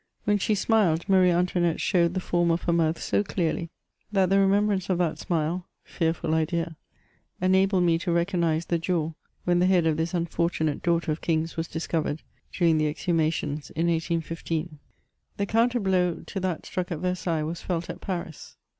When she smiled, Marie Antoinette showed the form of her mouth so clearly, that the remembrance of q2 208 ' MEMOIRffOF that smile (fearful idea !) enabled me to recognise the jaw, when the head of this unfortunate daughter of kings was discovered during the exhumations ift 1815. The couifter blow to that struck at Versailles was felt at Paris.